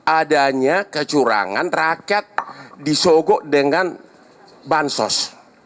adanya kecurangan rakyat disogok dengan bansos